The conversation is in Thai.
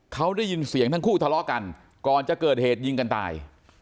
เขาได้ยินเสียงทั้งคู่ทะเลาะกันก่อนจะเกิดเหตุยิงกันตาย